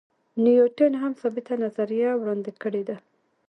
نیوټن هم ثابته نظریه وړاندې کړې ده.